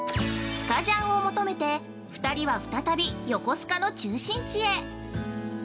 ◆スカジャンを求めて２人は、再び横須賀の中心地へ。